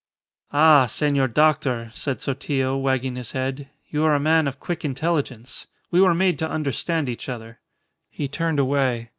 "Ah! senor doctor," said Sotillo, wagging his head, "you are a man of quick intelligence. We were made to understand each other." He turned away.